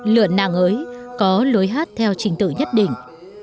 lượn nàng hới có lối hát theo trình tự nhất định